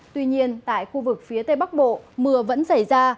tuy nhiên tại khu vực phía tây bắc bộ mưa vẫn xảy ra